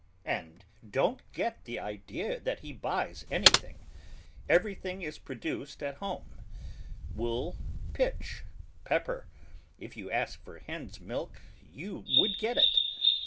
"And don't you get the idea that he buys anything; everything is produced at home, wool, pitch, pepper, if you asked for hen's milk you would get it.